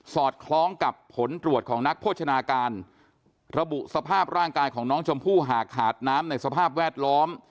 อดคล้องกับผลตรวจของนักโภชนาการระบุสภาพร่างกายของน้องชมพู่หากขาดน้ำในสภาพแวดล้อม